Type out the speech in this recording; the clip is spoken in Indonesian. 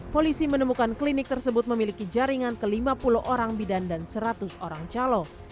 polisi menemukan klinik tersebut memiliki jaringan ke lima puluh orang bidan dan seratus orang calo